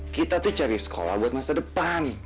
kita tuh cari sekolah buat masa depan